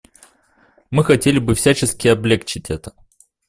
Мы хотели бы всячески облегчить это.